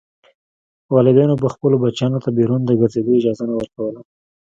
والدینو به خپلو بچیانو ته بیرون د ګرځېدو اجازه نه ورکوله.